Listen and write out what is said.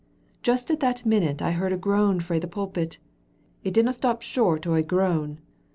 Just at that minute I heard a groan frae the pulpit. It didna stop short o' a groan.